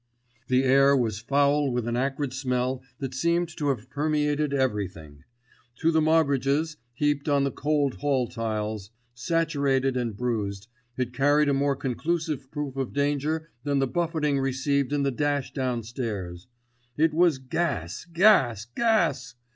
The air was foul with an acrid smell that seemed to have permeated everything. To the Moggridges, heaped on the cold hall tiles, saturated and bruised, it carried a more conclusive proof of danger than the buffeting received in the dash downstairs. It was Gas! Gas!! Gas!!!